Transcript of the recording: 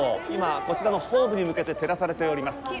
今、こちらのホームに向けて照らされております。